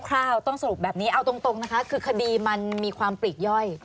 คร่าวต้องสรุปแบบนี้เอาตรงนะคะคือคดีมันมีความปลีกย่อย